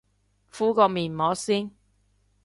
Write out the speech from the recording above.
敷個面膜先